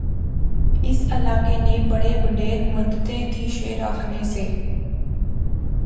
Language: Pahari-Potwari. اس نے علاقے نے بڑے بڈھیر مدتیں تھیں شعر آخنے سے